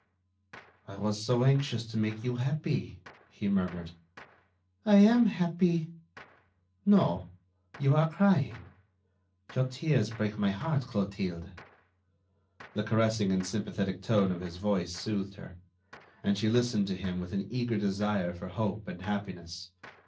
"I was so anxious to make you happy," he murmured. "I am happy." "No; you are crying.... Your tears break my heart, Clotilde." The caressing and sympathetic tone of his voice soothed her, and she listened to him with an eager desire for hope and happiness.